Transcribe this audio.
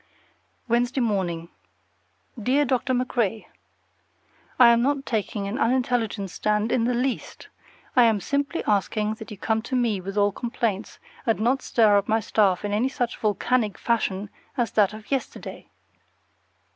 Wednesday Morning. Dear Dr. MacRae: I am not taking an unintelligent stand in the least; I am simply asking that you come to me with all complaints, and not stir up my staff in any such volcanic fashion as that of yesterday.